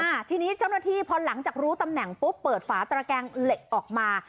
อ่าทีนี้เจ้าหน้าที่พอหลังจากรู้ตำแหน่งปุ๊บเปิดฝาตระแกงเหล็กออกมา